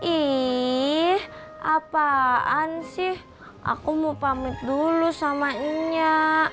ih apaan sih aku mau pamit dulu sama minyak